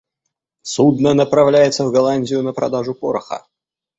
Судно направляется в Голландию на продажу пороха.